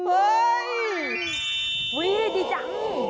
เฮ้ยวีดีจัง